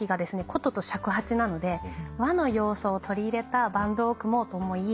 琴と尺八なので和の要素を取り入れたバンドを組もうと思い